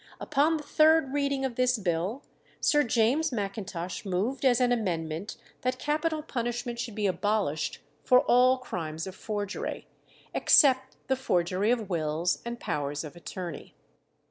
Upon the third reading of this bill Sir James Macintosh moved as an amendment that capital punishment should be abolished for all crimes of forgery, except the forgery of wills and powers of attorney.